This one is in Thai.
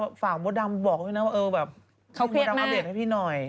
เบาะดำอัพเดทแววะหน่อย